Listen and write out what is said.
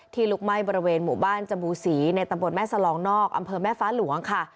ลุกไหม้บริเวณหมู่บ้านจบูศรีในตำบลแม่สลองนอกอำเภอแม่ฟ้าหลวงค่ะ